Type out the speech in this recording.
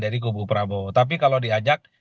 dari kubu prabowo tapi kalau diajak